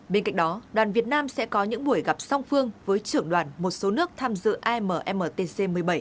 bên cạnh đó đoàn việt nam sẽ có những buổi gặp song phương với trưởng đoàn một số nước tham dự ammtc một mươi bảy